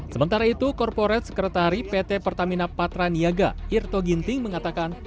sementara itu korporat sekretari pt pertamina patraniaga irto ginting mengatakan